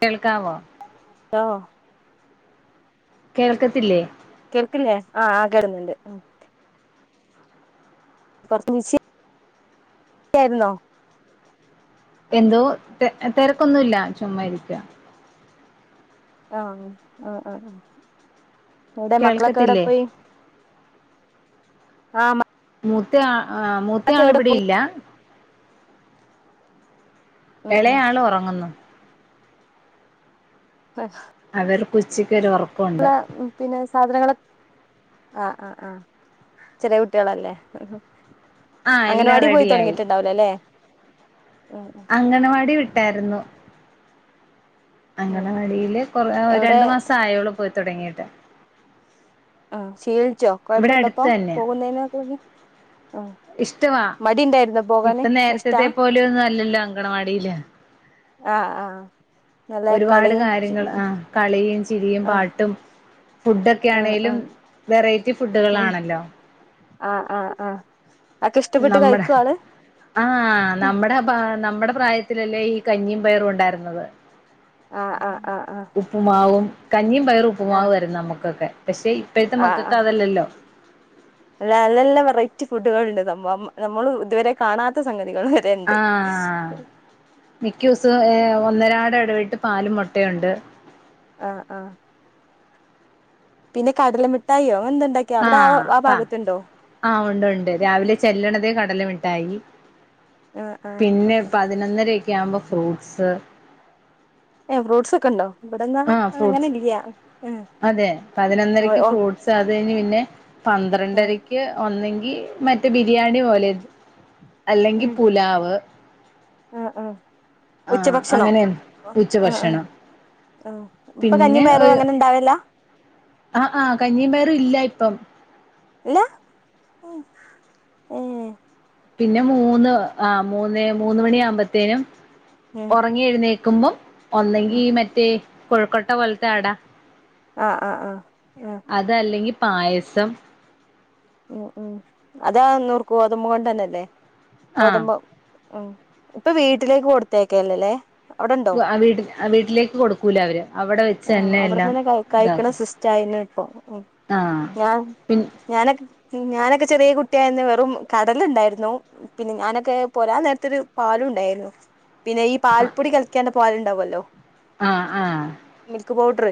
കേൾക്കാവോ ആ ആവോ കേൾക്കത്തില്ലേ കേൾക്കില്ലേ, ആ, കേറുന്നുണ്ട്. പുറ നി ആായിുന്നോ [inaudible] എന്തോ തിരക്കൊന്നുല്ല. ചുമ്മാ ഇരിക്ക. ആ, ആ, ആ, ആ. എവിടെ മക്കളൊക്കെ എവിടെ കേൾക്കത്തില്ലേ പോയി. ആ [inaudible] മൂത്തയാൾ ഇവിടെ പോയി ഇല്ല. ഉം ഉം ഇളയ ആള് ഉറങ്ങുന്നു. അ [inaudible] അവർ കൊച്ചിക്കറി ഉറക്കും [unintelligible] പിന്നെ സാധനങ്ങള ആ, ആ ആ [unintelligible] ചെറിയ കുട്ടികളല്ലേ ആ അംഗല എല്ലാം വാടി പോയി റെഡിയായി തുടങ്ങിയിട്ടുണ്ടാവ ല്ല ഉ [unintelligible] അംഗണവാടി വിട്ടായിരുന്നു. ഉം അംഗണവാടിയില് കൊറ എവിടെ രണ്ടു മാസം ആയോളൂ പോയി തുടങ്ങിയിട്ട്. ആ ശീലിച്ചോ, ഇവിടെ അടുത്ത് കൊഴപ്പുണ്ടപ്പോ തന്നെയാ പോകുന്നതിന് മുന്നേ ആ. ഇഷ്ടവാ ഇപ്പ ഇഷ്ടാ നേരത്തെത്തെ പോലും ഒന്നും അല്ലല്ലോ അങ്കണവാടിയില്. ആ, ആ. ഒരുപാട് കാര്യങ്ങൾ ആ കളിയും ചിരിയും ആഹ് പാട്ടും. ഫുഡൊക്കെ ആഹ് ആണേലും ആഹ് വെറൈറ്റി ഫുഡുകൾാണല്ലോ. ആ, ആ, ആ. നമ്മടെ ആ, നമ്മുടെ പ്രായത്തിലല്ലേ ഈ കഞ്ഞിയും പയറും ഉണ്ടായിരുന്നത്. ആ, ആ, ആ. ഉപ്പുമാവും കഞ്ഞിയും പയറും ഉപ്പുമാവു ആഹ് മായിരുന്നു നമ്മുക്കൊക്കെ പക്ഷേ ഇപ്പോഴത്തെ ആഹ് മക്കൊക്കെ ആഹ് അതല്ലല്ലോ. അല്ല, നല്ല നല്ല വെറൈറ്റി ഫുഡുകുകളുണ്ട് സംഭവ നമ്മൾ ഇതുവരെ കാണാത്ത സംഗതികൾ. വരെ ഉണ്ട് ആ, മിക്കദിവസവും ഒന്നരട ഇടവിട്ട് പാലും മുട്ടയുണ്ട്. ആ, ആ. പിന്നെ കടലമിട്ടായിയോ അങ്ങനെ എന്തുണ്ട ആ, ആഹ ഉണ്ട്, ഉണ്ട് രാവിലെ ചെല്ലണതേ കടലുമിട്ടായി. ആഹ് ആഹ് പിന്നെ പതിനൊന്നരൊക്കെ ആവുമ്പോ ഫ്രൂട്ട്സ്. ഏ, ഫ്രൂട്ടസ് ഒക്കെ ഉണ്ടോ. ഇവിടെന്നാ ആ അങ്ങനെ ഫ്രൂട്ട്സ് ഇല്ല ആഹ് അതെ ഓഹ് പതിനൊന്നരക്ക് ഓഹ് ഫ്രൂട്ടസ് അത് കഴിഞ്ഞു പിന്നെ ആഹ് പന്ത്രണ്ടര ഒന്നെങ്കി മറ്റേ ബിരിയാണി പോലെ അല്ലെങ്കിൽ പുലാവ്. അ, അ, ഉച്ച ആഹ് ഭക്ഷണം അങ്ങനെ അ, അ. ഉച്ചഭക്ഷണം ആ, ഇപ്പോ പിന്നെ കഞ്ഞീം പയറും അങ്ങനെ ഉണ്ടാവലി ല്ലാ ആ, ആ, കഞ്ഞിയും പയറും ഇല്ല ഇപ്പം. ഇല്ല. ഏഹ് പിന്നെ മൂന്ന് ആ മൂന്ന് മൂന്ന് മണിയ ആവുമ്പോത്തേനും ഉം. ഉറങ്ങി എഴുന്നേക്കുമ്പം ഒന്നങ്കി ഉം ഈ മറ്റേ കൊഴുക്കോട്ട പോലത്തെ അടാ. ആ, ആ, ആ, അത അല്ലെങ്കിൽ പായസം.. ഉ, ഉം. അതാ നൂർ ഗതമ്പ് കൊണ്ട തന്നെല്ലേ ആഹ് ഗോതഭം. അ, ഇപ്പോ വീട്ടിലേക്ക് കൊടുത്തയക്കല്ലേല്ലേ. വീട്ട വീട്ടിലേക്ക് കൊടുക്കൂല അവര് അവിടെ വെച്ച് തന്നെ എല്ലാം ഇതക്കും ചൈന [unintelligible] ആഹ് പിൻ ഞാനൊക്കെ ഞാനൊക്കെ ചെറിയ കുട്ടിയായിരുന്നു വെറും കടലുണ്ടായിരുന്നു. പിന്നെ ഞാനൊക്കെ പോരാൻ നേരത്തൊരു പാലും ഉണ്ടായിരുന്നു പിന്നെ ഈ പാൽപ്പൊടി കല്ക്കികാണ്ട് പാൽ ഉണ്ടാവുല്ലോ ആഹ് ആഹ് മിൽക്ക് പൗഡർ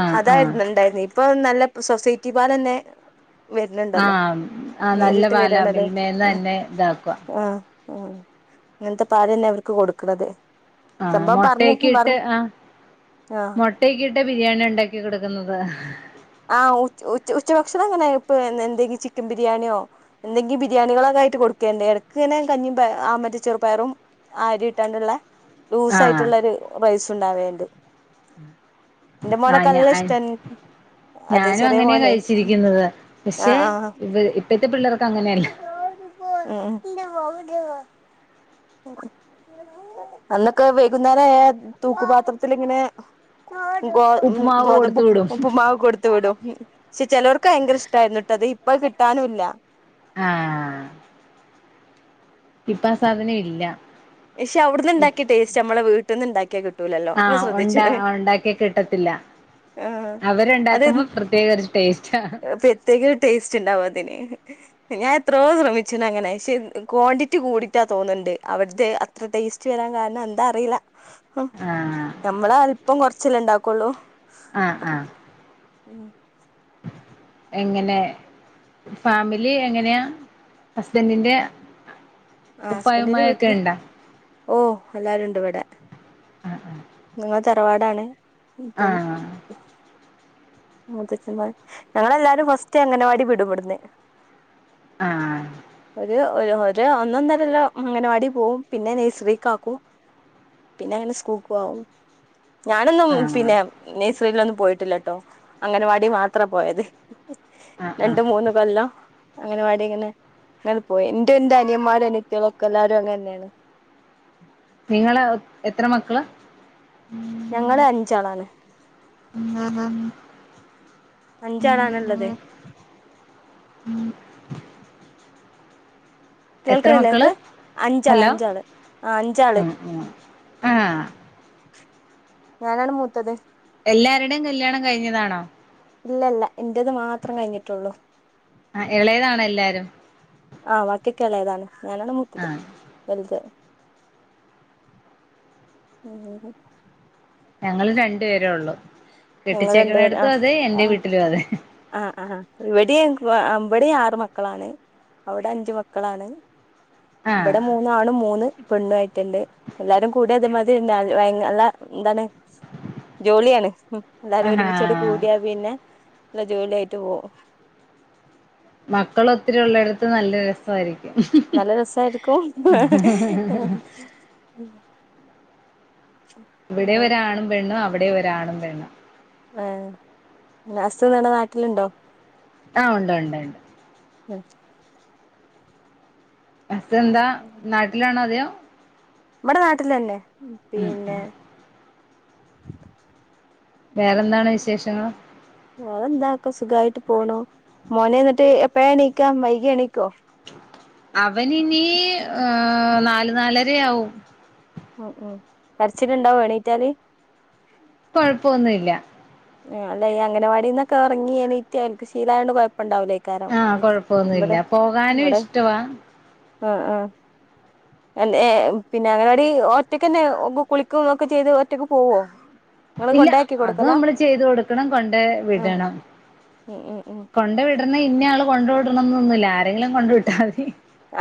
ആഹ് ആഹ് അതായിരുന്നു ഇണ്ടായിരുന്നു ഇപ്പൊ നല്ല സൊസൈറ്റി പാല് തന്നെ പിന്നെ ഇണ്ടല്ലോ ആഹ് ആഹ് നല്ല നേരിട്ട് പാലാ വരാണല്ലോ മിൽമേന്ന് ആഹ് തന്നെ ഇതാക്കുവാ ആഹ് ഉം ഇങ്ങനത്തെ പാല് അല്ലേ അവർക്ക് കൊടുക്ണത് ആ മുട്ടക്കെ ഇട്ട് ആ ആ മെട്ട മുട്ടഇട്ടക്കിട്ട ബിരിയാണി ഉണ്ടാക്കി കൊടുക്കുന്നത് ആഹ് ഉ ഉച്ചഭക്ഷണം ഇങ്ങനെ ഇപ്പെ എന്തെങ്കിലും ചിക്കൻ ബിരിയാണിയോ എന്തെങ്കി ബിരിയാണികള് ഒക്കെ ആയിട്ട് കൊടുക്കല്ണ്ട് ഇടക്ക് ഇങ്ങനെ കഞ്ഞിപയർ ആ മറ്റേചെറുപയറും ആരി ഇട്ടാണ്ടുള്ള ലൂസ് ആഹ് ആയിട്ടുള്ള ഒരു റൈസ് ഉണ്ടാവൽ ഉണ്ട് ഇന്റെമോൻ ആഹ് ഞാ നല്ല ഇഷ്ടണ് ഞാനും അങ്ങനെയാ കഴിച്ചിരിക്കുന്നത് ആ പക്ഷെ ആ ഇ ഇപ്പഴത്തെ പിള്ളേർക്ക് അങ്ങനെയല്ല [unintelligible] അന്നൊക്കെ വൈകുന്നേരം ആയാ തൂക്കുപാത്രത്തിൽ ഇങ്ങനെ ഗോതമ്പ ഉപ്പുമാവ് കൊടുത്തു വിടും ഗോതമ്പ്ഉപ്പുമാവ് കൊടുത്തുവിടും പക്ഷെ ചിലവർക്ക് ഭയങ്കരം ഇഷ്ടമായിരുന്നു ട്ടോ ഇപ്പം അത് കിട്ടാനും ഇല്ല ആഹ് ഇപ്പോ ആ സാധനം ഇല്ല പക്ഷെ അവിടുന്ന് ഇപ്പ ഉണ്ടാക്കിയ ടേസ്റ്റ് നമ്മളെ വീട്ടിൽന്ന് ഉണ്ടാക്കിയാ കിട്ടൂലല്ലോ നിങ്ങൾ ആഹ് ഉണ്ട ശ്രദ്ധിച്ചിണ് ഉണ്ടാക്കി കിട്ടത്തില്ല ആഹ് അവര് അത് ഇണ്ടാക്കുമ്പോ പ്രത്യേക ഒരു ടേസ്റ്റാ പ്രത്യേക ഒരു ടേസ്റ്റ് ഉണ്ടാവും അതിന് ഞാൻ എത്രയോ ശ്രമിച്ച്ണ് അങ്ങനെ പക്ഷെ ക്വാണ്ടിറ്റി കൂടിട്ടാ തോന്നുന്നുണ്ട് അവിടുത്തെ അ ത്ര ടെസ്‌റ്റ്‌വരാൻ കാരണം എന്താ അറിയില ആഹ് നമ്മള് അല്‌പം കൊറച്ചല്ലെഇണ്ടാക്കെള്ളു ആഹ് ആഹ് ഉം എങ്ങനെ ഫാമിലി എങ്ങനെയാ ഹസ്ബന്റിന്റെ ഉപ്പായു ഉമ്മയും ഒക്കെ ഇണ്ടോ ഓഹ് എല്ലാരുണ്ട് ഇവിടെ- ആഹ് ആഹ് നിങ്ങൾ തറവാടാണ് ഇപ്പം ആഹ് ആഹ് മുത്തച്ചൻമാര്. ഞങ്ങളെല്ലാരും ഫസ്റ്റ് അങ്ങനവാടി വിടു ഇവിടെന്ന് ആഹ് ഒരു ഒന്ന് ഒന്നരല്ലോ അങ്ങനവാടി പോവും പിന്നെ നഴ്സറിക്ക് ആക്കും പിന്നെ അങ്ങനെ സ്കൂൾക്കും ആകും ഞാനൊന്നും ആഹ് പിന്നെ നഴ്സറിയിലൊന്നും പോയിട്ടില്ലട്ടോ അങ്ങനവാടി മാത്ര പോയത് ആഹ് ആഹ് രണ്ടു മൂന്ന് കൊല്ലം അങ്ങനവാടി തനെ അങ്ങനെ പോയി എന്റെ എന്റെ അനിയന്മാരും അനിത്തികളും ഒക്കെ എല്ലാരും അങ്ങനെണ് നിങ്ങള് എത്ര മക്കളാ ഞങ്ങള് അഞ്ചാളാണ് [unintelligible] അഞ്ച് അളാണ് ഇള്ളത് ഉം എത്ര കേൾക്കണില്ലേ മക്കള് ഇങ്ങക്ക് അഞ്ചാള് ഹലോ അഞ്ചാള് ആഹ് അഞ്ചാള് ഉം ഉം ആഹ് ഞാനാണ് മൂത്തത് എല്ലാരുടെയും കല്യാണം കഴിഞ്ഞതാണോ? ഇല്ല ഇല്ല ഇന്റെത് മാത്രം കഴിഞ്ഞിട്ടുള്ളൂ ആഹ് ഇളയതാണോ എല്ലാരും ആഹ് വാക്കി ഒക്കെ എളേതാണ് ഞാനാണ് മുത്തത് ആഹ് വലുത് [unintelligible] ഞങ്ങള് രണ്ട് പേരേ ഒള്ളൂ ഞങ്ങള് രണ്ടുപേര് ആ കെട്ടിച്ചേക്കണടത്തും അതെ എന്റെ ആ വീട്ടിലും അതെ ആഹ് ആഹ് ഇവിടെ ഇവിടേം ആറ് മക്കളാണ് അവിടെ അഞ്ചു മക്കളാണ് ആഹ് ഇവിടെ മൂന്നാണും മൂന്ന് പെണ്ണു ആയിറ്റ്ണ്ട് എല്ലാരും കൂടിയാ ഇതുമാതിരി തന്നാ അള്ളാ എന്താണ് ജോളിയാണ് എല്ലാരും ആഹാ ഒരുമിച്ചാട് കൂടിയാ പിന്നെ നല്ല ജോളി ആയിറ്റ് പോവും മക്കള് ഒത്തിരി ഒള്ളേടത്ത് നല്ല രസ് വായിരിക്കും നല്ല രസം ആരിക്കും ഉം ഇവിടെ ഒരാണും പെണ്ണും അവിടേം ഒരാണും പെണ്ണും ഏഹ് പിന്നെ ഹസ്സ് ഇവടെ നാട്ടിലുണ്ടോ? ആഹ് ഒണ്ട് ഒണ്ട് ഒണ്ട് ഉം ഹസ് എന്താ നാട്ടിലാണോ അതെയോ? ഇബടെ നാട്ടിലെന്നെ ഉം ഉം വേറെന്താണ് വിശേഷങ്ങള് വേറെ എന്താ ഒക്കെ സുഖായിട്ട് പോണു മോന് എന്നിട്ട് എപ്പഴാ എണീക്കാ വൈകി എണീക്കോ? അവന് ഇനി ഏഹ് നാല് നാലരയാവും ഉം ഉം കരച്ചില് ഇണ്ടാവോ എണീറ്റാല്? കൊഴപ്പൊന്നുല്ലാ ആഹ് അല്ല ഈ അങ്ങനവാടിന്നൊക്കെ ഒറങ്ങി എണീറ്റ് ഓൻക്ക് ശീലായോണ്ട് കൊയപ്പണ്ടാവൂല്ലാ ആഹ് കൊഴപ്പൊന്നുവില്ലാ പോകാനും ഇവടെ ഇഷ്ട്ടവാ ആഹ് ആഹ് എൻ ഏഹ് പിന്നെ അങ്ങനവാടി ഒറ്റക്കെന്നെ ഗ് കുളിക്കും തൊക്കെ ചെയ്ത് ഒറ്റക്ക് പോവോ? [inaudible] ഇല്ലാ അത് കൊടുക്കലാ നമ്മള് ചെയ്ത് കൊടുക്കണം കൊണ്ട ആഹ് വിടണം ഉം ഉം ഉം കൊണ്ട വിട് [unintelligible] ഇന്നെ ആള് കൊണ്ട് വിടണന്നൊന്നുല്ലാ ആരെങ്കിലും കൊണ്ട് വിട്ടാ മതി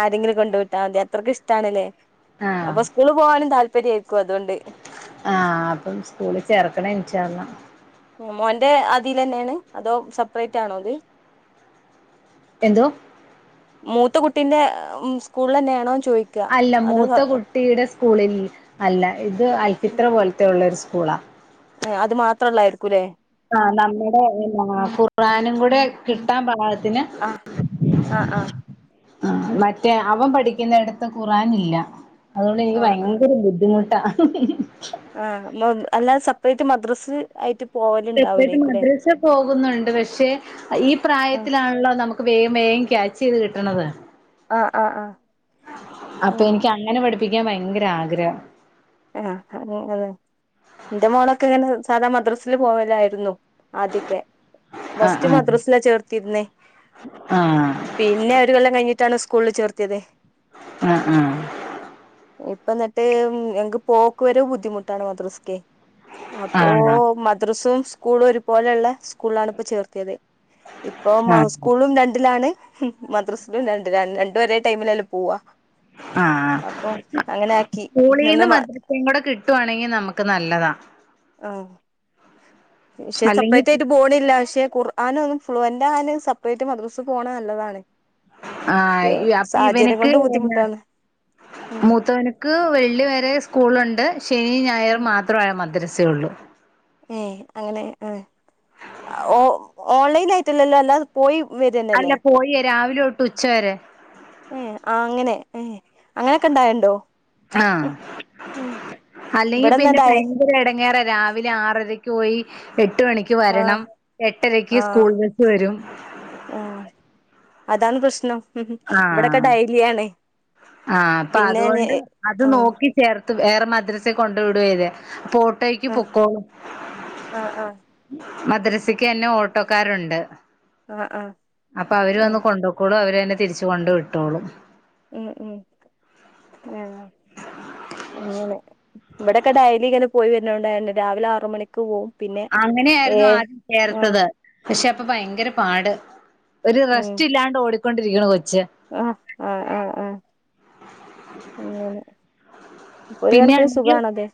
ആരെങ്കിലും കൊണ്ട് വിട്ടാ മതി അത്രയ്ക്ക് ഇഷ്ടണ്ല്ലേ ആഹ് അപ്പൊ സ്കൂള് പോവാനും താല്പര്യം ആയിരിക്കും അതുകൊണ്ട് ആഹ് അപ്പം സ്കൂളി ചേർക്കണം ഇൻഷാ അള്ളാ ഉം മോന്റെ ആതിലെന്നെയാണ് അതോ സെപ്പറേറ്റ് ആണോ ഇത്? എന്തോ? മൂത്ത കുട്ടിന്റെ സ്കൂളില ന്നെയാണോന്ന് ചോദിക്ക അല്ല മൂത്ത കുട്ടിയുടെ സ്കൂളിൽ അല്ല ഇത് അൽഫിത്ര പോലത്തെ ഉള്ള ഒരു സ്കൂളാ ഏഹ് അത് മാത്രള്ളായിരിക്കൂല്ലെ ആഹ് നമ്മുടെ എന്നാ ഖുർആനും കൂടെ കിട്ടാൻ പാകത്തിന് ആഹ് ആഹ് ആഹ് ആഹ് മറ്റേ അവൻ പഠിക്കുന്ന ഇടത്ത് ഖുർആൻ ഇല്ല അതുകൊണ്ട് എനിക്ക് ആഹ് ആഹ് ഭയങ്കര ബുദ്ധിമുട്ടാണ് ആഹ് അല്ലാതെ സപ്പറേറ്റ് മദ്രസ ആയിട്ട് സെപ്പറേറ്റ് പോവലുണ്ടാവുലേ ക്കൂടെ മദ്രസ പോകുന്നുണ്ട് പക്ഷെ ഈ ആഹ് പ്രായത്തിലാണല്ലോ നമുക്ക് വേഗം വേഗം ക്യാച്ച് ചെയ്ത് കിട്ടണത് ആഹ് ആഹ് ആഹ് അപ്പൊ ഉം എനിക്ക് അങ്ങനെ പഠിപ്പിക്കാൻ ഭയങ്കര ആഗ്രഹം ആഹ് അങ്ങനെ ന്റെ മോളൊക്കെ ഇങ്ങനെ സാദാ മദ്രസയിൽ പോവലായിരുന്നു ആദ്യൊക്കെ ഫസ്റ്റ് ആഹ് മദ്രസിലാ ചേർത്തിരുന്നെ ആഹ് പിന്നെ ഒരു കൊല്ലം കഴിഞ്ഞിട്ടാണ് സ്കൂളിൽ ചേർത്തിയത് ആഹ് ആഹ് ഇപ്പം ന്നിട്ട് മ് ഞങ്ങക്ക് പോക്ക് വരവ് ബുദ്ധിമുട്ടാണ് മദ്രസക്കെ അപ്പൊ ആഹ് മദ്രസേം സ്കൂളും ഒരുപോലെ ഇള്ളെ സ്കൂളിലാണ് ഇപ്പ ചേർത്തിയത് ഇപ്പം മ ആഹ് ആഹ് സ്കൂളും രണ്ടിലാണ് മദ്രസിലും രണ്ടിലാണ് രണ്ടും ഒരേ ടൈമിലല്ലെ പോവാ ആഹ് അപ്പൊ അങ്ങന ആക്കി നിന്ന് മ ഇവടെ കിട്ടുആണെങ്കി നമുക്ക് നല്ലതാ ആഹ് പക്ഷെ അല്ലെങ്കിൽ സപ്പറേറ്റ് ആയിറ്റ് പോണില്ല പക്ഷെ കുർ ആൻ ഒന്നു ഫ്ളുവെൻ്റാവാൻ സപ്പറേറ്റ് മദ്രസെ പോണെ ന്നല്ലതാണ് ആഹ് ഇ അപ്പെ ഇവനിക്ക് കൊണ്ട് എങ്ങൻ ബുദ്ധിമുട്ടാണ് ഉം മൂത്തവന് ക്ക് വെള്ളി വരെ സ്കൂളുണ്ട് ശനി ഞായർ ഉം മാത്രമേ മദ്രസ യൊള്ളൂ ഏഹ് അങ്ങനെ ആഹ് ഓ ഓൺലൈൻ ആയിട്ടല്ലല്ലോ അല്ലാത പോയി വെരെൻ അല്ല പോയീവരാ രാവിലെ തൊട്ട് ഉച്ച വരെ ഏഹ് ആഹ് അങ്ങനെ ഏഹ് അങ്ങനൊക്കെ ഇണ്ടായേണ്ടോ ആഹ് അല്ലെങ്കി പിന്നെ ഇവിടെന്നണ്ടായി കഴിഞ്ഞ് ഒര് എടങ്ങേറാ രാവിലെ ആറരക്കോയി എട്ട്മണി ക്ക് ആഹ് വരണം എട്ടരക്ക് ആഹ് സ്കൂൾ വിട്ട് വരും ആഹ് അതാണ് പ്രശ്നം ഇവിടൊക്കെ ആഹ് ഡയലി ആണ് ആഹ് അപ്പ പിന്നെ അതോണ്ട് അത് ആഹ് നോക്കി ചേർത്തു വേറെ മദ്രസേ കൊണ്ട് വിടുവേ അല്ലെ അപ്പോൾ ഓട്ടോയ്ക്ക് ആഹ് പൊക്കോളും ആഹ് മദ്രസക്ക ന്നെ ഓട്ടോക്കാരുണ്ട് ആഹ് ആഹ് അപ്പൊ അവര് വന്ന് ആഹ് കൊണ്ടൊ ക്കോളും അവര് തന്നെ തിരിച്ചു കൊണ്ട് വിട്ടോളും മ് മ് ആഹ് ആഹ് അങ്ങനെ ഇവിടേക്കെ ഡൈ ലി ഇങ്ങനെ പോയി വരുണോണ്ട് ആണ് രാവിലെ ആറു മണി ക്ക് പോവും പിന്നെ അങ്ങനെ ഏ ആയിരുന്നു ആദ്യം ആഹ് ചേർത്തത് പക്ഷെ ഇപ്പ ഭയങ്കര പാട് ഒര് ഉം റെസ്റ്റില്ലാണ്ട് ഓടിക്കൊണ്ടിരിക്കണ് കൊച്ച് ആഹ് അതെ ഇങ്ങനെ ഒര് കണക്ക്ന് സുഖാണതെ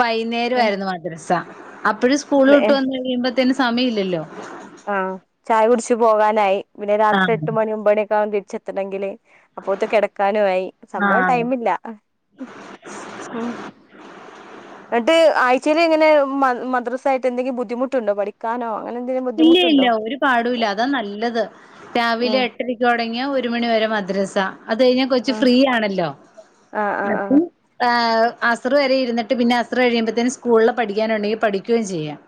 വൈന്നേരും ആയിരുന്നു മദ്രസ അപ്പഴും സ്കൂള് വിട്ടു വന്ന് കഴിയുമ്പത് ത്തിന് സമയം ഇല്ലല്ലോ ആഹ് ചായ കുടിച്ച് പോകാനായി പിന്നെ രാത്രി ആഹ് എട്ട് മണി ഒമ്പേണി ഒക്കാഉം തിരിച്ചെത്തണങ്കില് അപ്പോത്ത് കെടക്കാനും ആയി സംഭവം ആഹ് ടൈമില്ല ന്നട്ട് ആഴ്ചേല് എങ്ങനെ മ മദ്റസായിട്ട് എന്തെങ്കി ബുദ്ധിമുട്ടുണ്ടോ പഠി ക്കാനോ അങ്ങനെ എന്തേലും ബുദ്ധിമുട്ടുണ്ടോ? പാടൂല്ല അതാ നല്ലത് രാവിലെ ഉം എട്ടരക്ക് ഒടങ്ങിയാ ഒരു മണി വരെ മദ്രസ അതഴ്ഞ്ഞാ കൊറച്ച് ആഹ് ഫ്രീ ആണല്ലോ ആഹ് ആഹ് അപ്പം ആഹ് അസറ് വരെ ഇരുന്ന്ട്ട് പിന്നെ അസറ് കഴിയുമ്പേത്തേന് സ്കൂൾള് പഠിക്കാനുണ്ടെങ്കി പഠിക്കുകയും ചെയ്യാം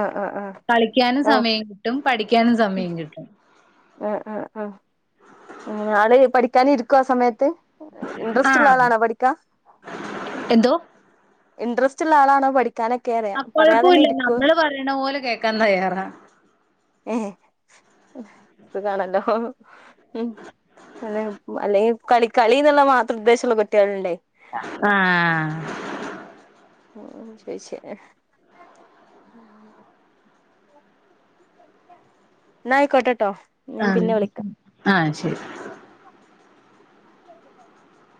ആഹ് ആഹ് ആഹ് ക്ക്യാനും ആഹ് ഓ സമയം കിട്ടും പഠിക്കാനും സമയം കിട്ടും ആഹ് ആഹ് ആഹ് അങ്ങനെ ആള് പഠിക്കാന് ഇരിക്കോ ആ സമയത്ത് ഇൻട്രസ്റ്റ്ള്ള ആഹ് ആളാണോ പഠിക്കാൻ. എന്തോ ഇൻട്രസ്റ്റ്ള്ള ആളാണോ പഠി ക്കാനൊക്കേ അറ അപ്പൊഴപ്പൂല്ല ഞമ്മള് പറിണ പോലെ കേക്കാൻ തയ്യാറാ ഏഹ് സുഖാണല്ലോ ഉം അല്ല അല്ലെങ്കി കളി കളിന്ന്ള്ള മാത്രം ഉദ്ദേശള്ള കുട്ടിയേള്ണ്ടേ ആഹ് ഓഹ് ശ്ശെ ശ്ശെ പിന്നെന്താ ന്ന അയിക്കോട്ടെട്ടോ ആഹ് ആഹ് ശരി [inaudible]